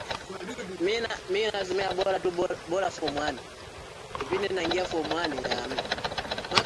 ni moja ya makabila mawili makubwa zaidi ya